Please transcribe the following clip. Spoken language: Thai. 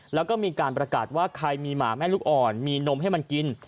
แล้วก็มีการประกาศว่าใครมีหมาแม่ลูกอ่อนมีนมให้มันกิน